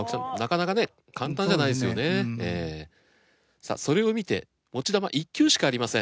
さあそれを見て持ち球１球しかありません。